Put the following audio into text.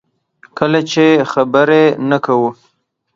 کله چې خبرې نه کوو.